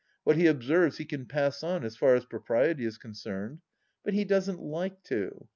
What he observes he can pass on as far as propriety is concerned. But he doesn't like to.